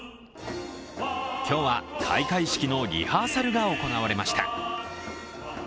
今日は開会式のリハーサルが行われました。